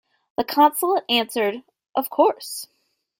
The Consulate answered "of course".